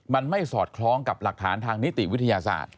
มันไม่สอดคล้องกับหลักฐานทางนิติวิทยาศาสตร์